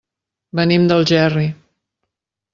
Venim d'Algerri.